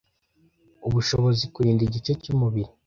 U bushobora kurinda igice cyumubiri